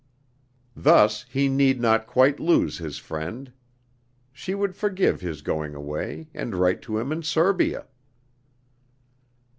Thus he need not quite lose his friend. She would forgive his going away, and write to him in Serbia.